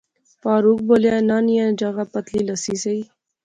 فاروق بولیا ناں نیاں جاغا پتلی لسی سہی